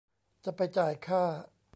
จะไปจ่ายค่า